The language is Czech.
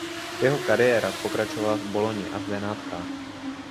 Jeho kariéra pokračovala v Bologni a v Benátkách.